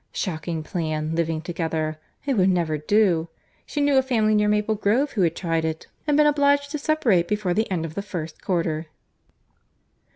—Shocking plan, living together. It would never do. She knew a family near Maple Grove who had tried it, and been obliged to separate before the end of the first quarter.